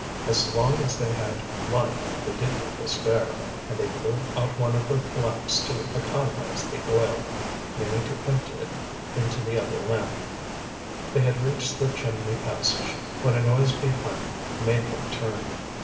As long as they had light they did not despair, and they blew out one of the lamps to economize the oil, meaning to empty it into the other lamp. They had reached the chimney passage, when a noise behind made them turn.